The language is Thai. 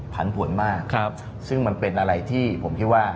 ผันผวนมากซึ่งมันเป็นอะไรที่ผมคิดว่า